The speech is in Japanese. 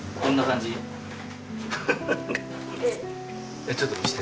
えっちょっと見せて。